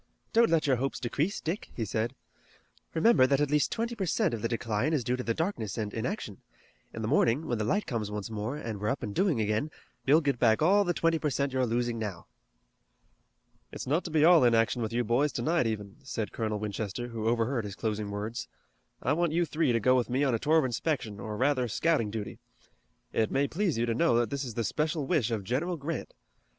"Don't let your hopes decrease, Dick," he said. "Remember that at least twenty per cent of the decline is due to the darkness and inaction. In the morning, when the light comes once more, and we're up and doing again, you'll get back all the twenty per cent you're losing now." "It's not to be all inaction with you boys tonight, even," said Colonel Winchester, who overheard his closing words. "I want you three to go with me on a tour of inspection or rather scouting duty. It may please you to know that it is the special wish of General Grant.